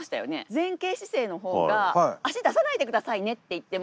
前傾姿勢の方が足出さないで下さいねって言っても。